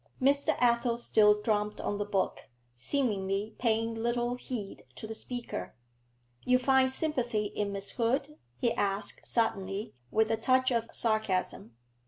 Mr. Athel still drummed on the book, seemingly paying little heed to the speaker. 'You find sympathy in Miss Hood?' he asked suddenly, with a touch of sarcasm.